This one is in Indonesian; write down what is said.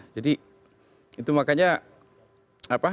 jadi itu makanya